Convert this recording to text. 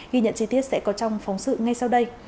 ghi nhận chi tiết sẽ có trong phóng sự ngay sau đây